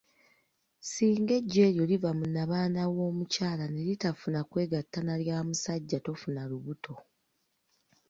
Singa eggi eryo livaayo mu nnabaana w'omukyala ne litafuna kwegatta nalya musajja, tofuna lubuto.